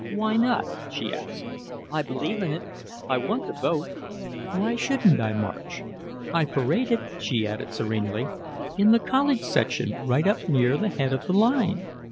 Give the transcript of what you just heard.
"Why not?" she asked. "I believe in it, I want the vote. Why shouldn't I march? I paraded," she added serenely, "in the college section right up near the head of the line.